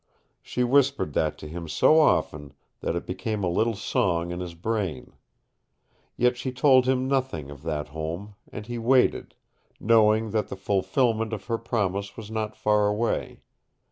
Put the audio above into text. She whispered that to him so often that it became a little song in his brain. Yet she told him nothing of that home, and he waited, knowing that the fulfilment of her promise was not far away.